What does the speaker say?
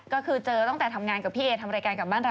ก็คือเจอตั้งแต่ทำงานกับพี่เอทำรายการกลับบ้านเรา